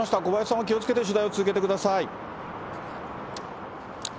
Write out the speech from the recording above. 小林さんも気をつけて取材を続けてください。